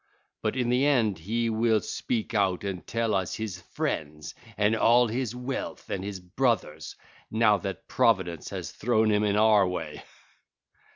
But in the end he will speak out and tell us his friends and all his wealth and his brothers, now that providence has thrown him in our way.